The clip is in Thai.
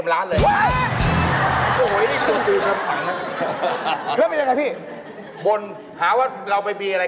แล้วจริงรึเปล่า